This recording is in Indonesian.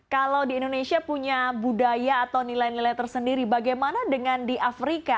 kalau di indonesia punya budaya atau nilai nilai tersendiri bagaimana dengan di afrika